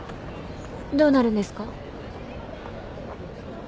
どうなるんですか？